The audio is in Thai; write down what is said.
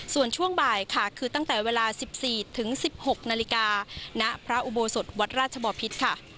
ส่วนช่วงบ่ายค่ะคือตั้งแต่เวลา๑๔ถึง๑๖นาฬิกาณพระอุโบสถวัดราชบอพิษค่ะ